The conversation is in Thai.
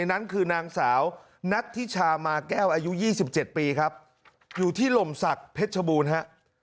นั้นคือนางสาวนัทธิชามาแก้วอายุ๒๗ปีครับอยู่ที่หล่มศักดิ์เพชรชบูรณ์ฮะ